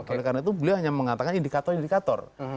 oleh karena itu beliau hanya mengatakan indikator indikator